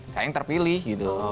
saya yang terpilih gitu